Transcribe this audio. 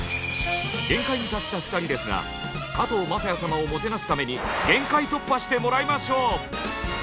限界に達した２人ですが加藤雅也様をもてなすために限界突破してもらいましょう！